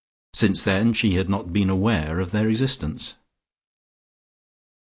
Since then she had not been aware of their existence.